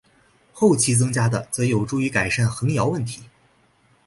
后期增加的则有助于改善横摇问题。